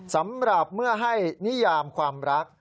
สำหรับเมื่อให้นิยามความรัก